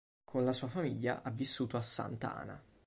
Con la sua famiglia ha vissuto a Santa Ana.